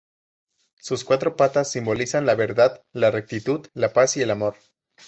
Sus cuatro patas simbolizan la verdad, la rectitud, la paz y el amor.